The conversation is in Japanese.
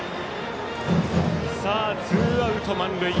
ツーアウト、満塁。